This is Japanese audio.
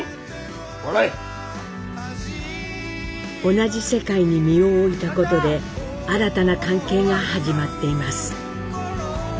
同じ世界に身を置いたことで新たな関係が始まっています。